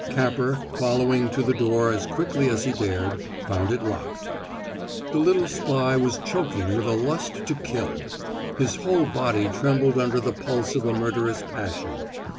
Capper, following to the door as quickly as he dared, found it locked. The little spy was choking with a lust to kill; his whole body trembled under the pulse of a murderous passion.